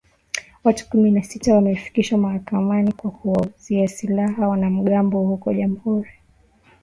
Watu kumi na sita wamefikishwa mahakamani kwa kuwauzia silaha wanamgambo huko Jamuhuri ya Kidemokrasia ya Kongo